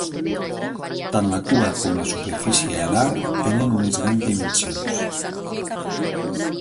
Tant la cua com la superfície alar tenen unes grans dimensions.